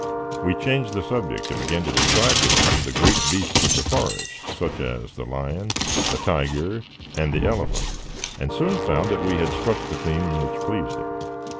We changed the subject, and began to describe to him the great beasts of the forest, such as the lion, the tiger, and the elephant, and soon found that we had struck the theme which pleased him.